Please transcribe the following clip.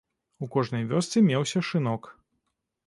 У кожнай вёсцы меўся шынок.